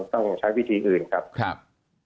ต้องใช้วิธีอื่นครับ